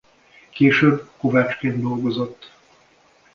Később kovácsként dolgozott.